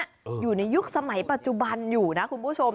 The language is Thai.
อยู่ในยุคสมัยปัจจุบันอยู่นะคุณผู้ชม